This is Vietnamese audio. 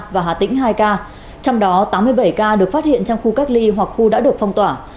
và hà tĩnh hai ca trong đó tám mươi bảy ca được phát hiện trong khu cách ly hoặc khu đã được phong tỏa